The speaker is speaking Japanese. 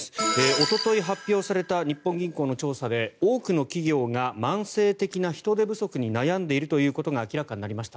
おととい発表された日本銀行の調査で多くの企業が慢性的な人手不足に悩んでいるということが明らかになりました。